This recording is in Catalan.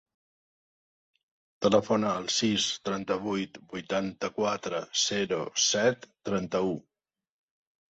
Telefona al sis, trenta-vuit, vuitanta-quatre, zero, set, trenta-u.